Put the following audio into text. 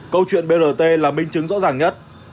câu chuyện brt là minh chứng rõ ràng nhất